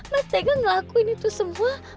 mas tega ngelakuin itu semua